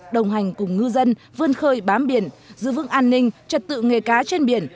đồng hành cùng ngư dân vươn khơi bám biển giữ vững an ninh trật tự nghề cá trên biển